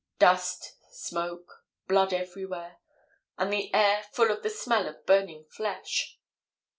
"Dust, smoke, blood everywhere, and the air full of the smell of burning flesh.